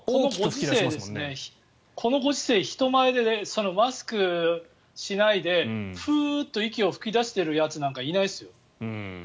このご時世、人前でマスクをしないでフーッと息を吹き出しているやつなんかいないですよ。